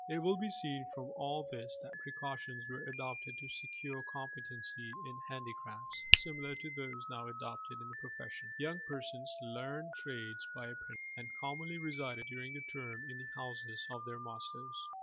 It will be seen from all this that precautions were adopted to secure competency in handicrafts similar to those now adopted in the professions. Young persons learned trades by apprenticeship, and commonly resided during the term in the houses of their masters.